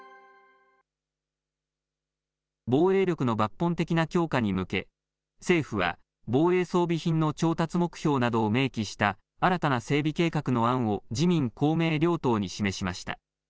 防衛力の抜本的な強化に向け、政府は防衛装備品の調達目標などを明記した新たな整備計画の案を自民、公明両党に示しました。